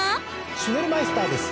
シュネルマイスターです。